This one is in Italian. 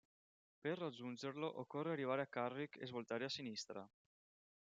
Per raggiungerlo occorre arrivare a Carrick e svoltare a sinistra.